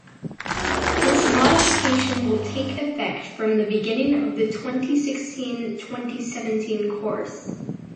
This modification will take effect from the beginning of the twenty sixteen-twenty seventeen course.